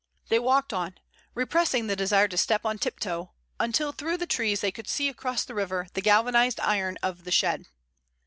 They walked on, repressing the desire to step on tiptoe, until through the trees they could see across the river the galvanized iron of the shed.